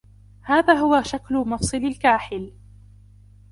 هذا هو شكل مفصل الكاحل.